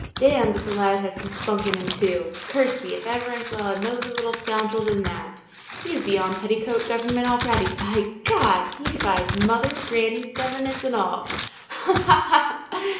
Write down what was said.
"Damme, but the lad has some spunk in him, too. Curse me, if ever I saw a nobler little scoundrel than that. He's beyond petticoat government already: by God! he defies mother, granny, governess, and all! Ha, ha, ha!